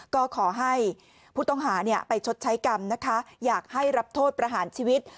ก็ขอให้ผู้ต้องหาไปชดใช้กรรมนะคะอยากให้รับโทษประหารชีวิต